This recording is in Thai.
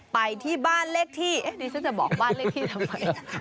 ไปที่บ้านเลขที่ดิฉันจะบอกบ้านเลขที่ทำไม